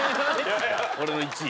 俺の１位。